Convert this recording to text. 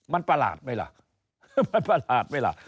มันประหลาดไหมล่ะมันประหลาดไหมล่ะ